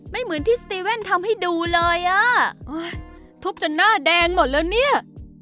เหมือนที่สตีเว่นทำให้ดูเลยอ่ะทุบจนหน้าแดงหมดแล้วเนี่ย